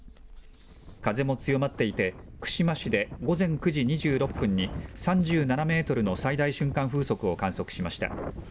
風も強まっていて、串間市で午前９時２６分に、３７メートルの最大瞬間風速を観測しました。